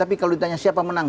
tapi kalau ditanya siapa menang